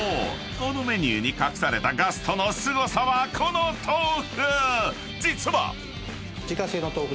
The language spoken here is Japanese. このメニューに隠されたガストのすごさはこの豆腐！